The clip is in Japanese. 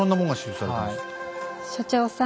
所長さん。